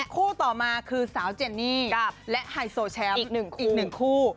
คู่ต่อมาคือสาวเจนนี่และไฮโซแชมป์อีก๑คู่